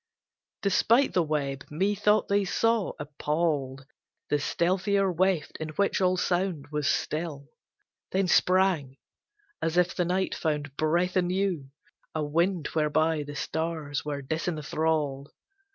Despite the web, methought they saw, appalled, The stealthier weft in which all sound was still ... Then sprang, as if the night found breath anew, A wind whereby the stars were disenthralled ...